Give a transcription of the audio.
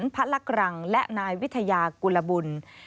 ภรรกรรมร์และนายวิทยากุลบุล